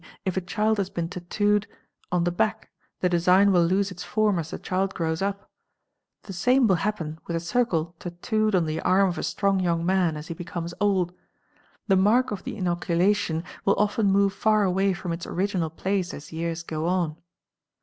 if a child has been tattooed on the back, the design will lose its form as the child grows up, the same will happen with a circle tattooed on the arm of a strong young man, as he becomes old; the mark of the inocula tion will often move far away from its original place as years go on.